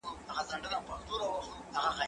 زه به اوږده موده مکتب ته تللي وم؟!